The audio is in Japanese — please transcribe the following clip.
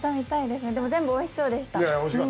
でも全部おいしそうでした。